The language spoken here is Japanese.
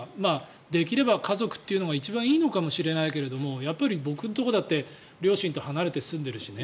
できれば家族というのが一番いいのかもしれないけどもやっぱり僕のところだって両親と離れて住んでるしね。